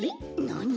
なに？